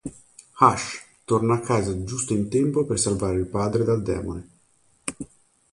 Ash torna a casa giusto in tempo per salvare il padre dal demone.